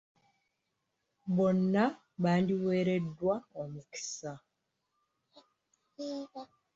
Bonna bandiweereddwa omukisa.